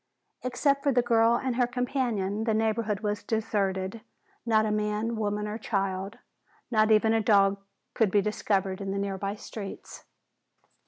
Except for the girl and her companion the neighborhood was deserted, not a man, woman or child, not even a dog could be discovered in the nearby streets.